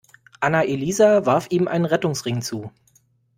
Anna-Elisa warf ihm einen Rettungsring zu.